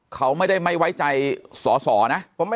เขาไม่ได้ไม่ไว้ใจสอสอนะ